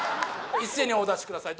一斉にお出しください